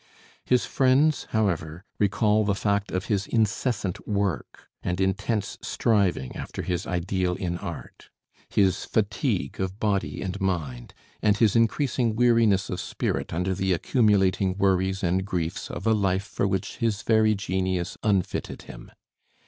His friends, however, recall the fact of his incessant work, and intense striving after his ideal in art; his fatigue of body and mind, and his increasing weariness of spirit under the accumulating worries and griefs of a life for which his very genius unfitted him.